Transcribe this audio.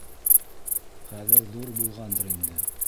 Хәҙер ҙур булғандыр инде.